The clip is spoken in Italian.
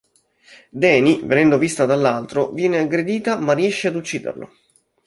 Dany, venendo vista dall'altro, viene aggredita ma riesce ad ucciderlo.